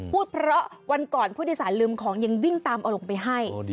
พูดเพราะวันก่อนผู้โดยสารลืมของยังวิ่งตามเอาลงไปให้